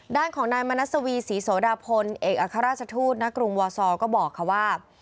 ด้านของนายมณัสวีศรีโสดาพลเอกอัครราชทูตณกรุงวาซอร์ก็บอกค่ะว่า